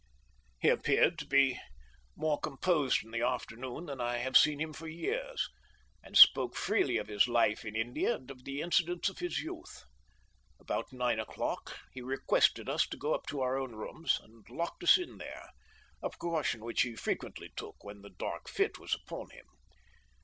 "He appeared to be more composed in the afternoon than I have seen him for years, and spoke freely of his life in India and of the incidents of his youth. About nine o'clock he requested us to go up to our own rooms, and locked us in there a precaution which he frequently took when the dark fit was upon him.